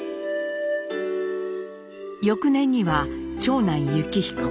翌年には長男幸彦。